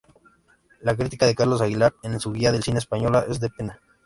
La crítica de Carlos Aguilar en su "Guía del cine español" es "de pena".